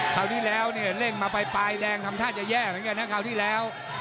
คราวที่แล้วเนี่ยเร่งมาไปปลายแดงทำท่าจะแย่เหมือนกันนะคราวที่แล้ว